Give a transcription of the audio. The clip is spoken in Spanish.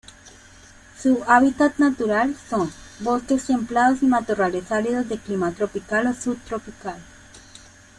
Su hábitat natural son: bosques templados y matorrales áridos de Clima tropical o subtropical.